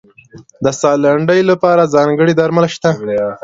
د ساه لنډۍ لپاره ځانګړي درمل شته.